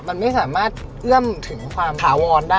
มันไม่สามารถเอื้อมถึงความถาวรได้